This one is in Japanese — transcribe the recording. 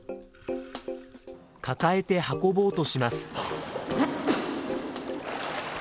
抱えて運ぼうとします。